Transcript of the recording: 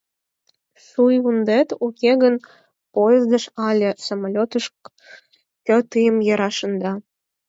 Шийвундет уке гын, поездыш але самолётыш кӧ тыйым яра шында?